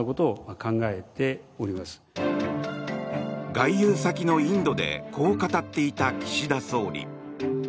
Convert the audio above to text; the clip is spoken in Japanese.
外遊先のインドでこう語っていた岸田総理。